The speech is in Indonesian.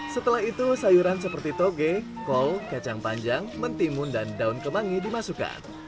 setelah itu sayuran seperti toge kol kacang panjang mentimun dan daun kemangi dimasukkan